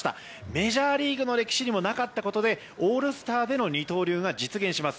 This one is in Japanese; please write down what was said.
メジャーリーグの歴史にもなかったことでオールスターでの二刀流が実現します。